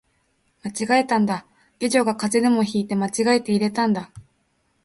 間違えたんだ、下女が風邪でも引いて間違えて入れたんだ